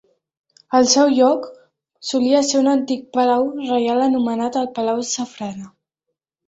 El seu lloc solia ser un antic palau reial anomenat el palau Zafarana.